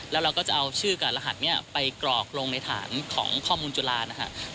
แล้วเราก็จะเอาชื่อกับรหัสนี้ไปกรอกลงในฐานของข้อมูลจุฬานะครับ